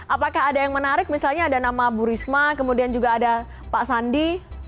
apakah ada yang menarik misalnya ada nama bu risma kemudian juga ada pak sandi